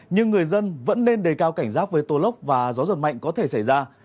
nhưng người dân vẫn nên đề cao cảnh giác với tô lốc và gió giật mạnh có thể xảy ra